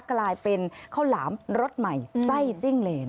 กลายเป็นข้าวหลามรสใหม่ไส้จิ้งเลน